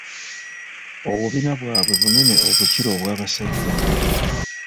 Obubina bwabwe bunene okukira obw'abasajja.